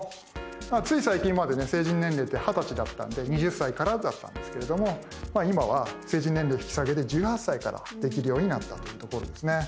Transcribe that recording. つい最近までね成人年齢って二十歳だったんで２０歳からだったんですけれども今は成人年齢引き下げで１８歳からできるようになったというところですね。